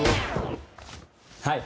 はい。